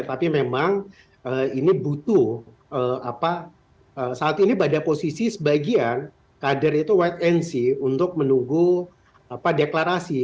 tapi memang ini butuh saat ini pada posisi sebagian kader itu wait and see untuk menunggu deklarasi